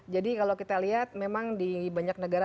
jadi kalau kita lihat memang di banyak negara